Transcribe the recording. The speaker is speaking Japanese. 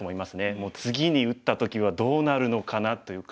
もう次に打った時はどうなるのかなというか。